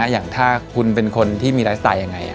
อย่างถ้าคุณเป็นคนที่มีไลฟ์สไตล์ยังไง